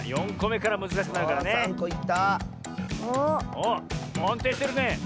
あっあんていしてるね。